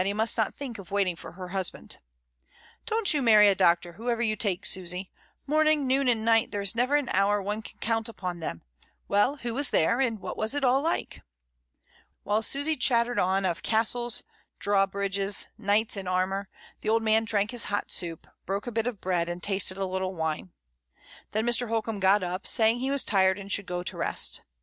DYMOND. he must not think of waiting for her husband. "Don't you marry a doctor whoever you take, Susy: morning, noon, and night there is never an hour one can count upon them. Well, who was there, and what was it all like?" While Susy chattered on of castles, drawbridges, knights in armour, the old man drank his hot soup, broke a bit of bread, and tasted a little wine. Then Mr. Holcombe got up, saying he was tired and should go to rest.